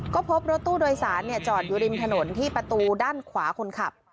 ก็พบรถตู้โดยสารจอดอยู่ริมถนนที่ประตูด้านขวาคนขับ